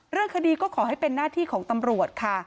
เรื่องคดีก็ขอให้เป็นหน้าที่ของตำรวจค่ะ